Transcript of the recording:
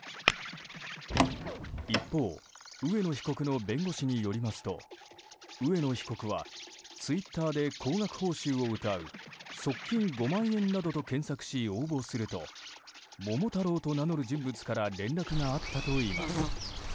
一方、上野被告の弁護士によりますと上野被告はツイッターで高額報酬をうたう即金５万円などと検索し応募すると桃太郎と名乗る人物から連絡があったといいます。